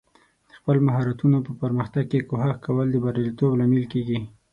د خپل مهارتونو په پرمختګ کې کوښښ کول د بریالیتوب لامل کیږي.